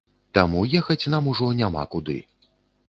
Таму ехаць нам ужо няма куды.